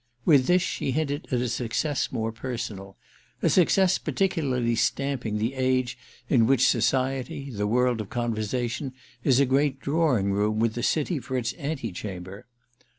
With this she hinted at a success more personal—a success peculiarly stamping the age in which society, the world of conversation, is a great drawing room with the City for its antechamber.